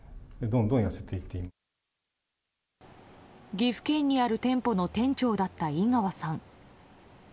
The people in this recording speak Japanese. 岐阜県にある店舗の店長だった井川さん。